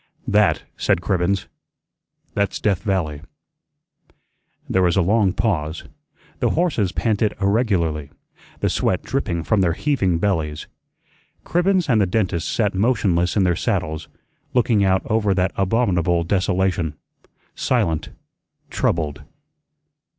"That," said Cribbens, "that's Death Valley." There was a long pause. The horses panted irregularly, the sweat dripping from their heaving bellies. Cribbens and the dentist sat motionless in their saddles, looking out over that abominable desolation, silent, troubled.